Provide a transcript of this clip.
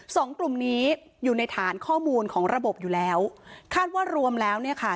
สองกลุ่มนี้อยู่ในฐานข้อมูลของระบบอยู่แล้วคาดว่ารวมแล้วเนี่ยค่ะ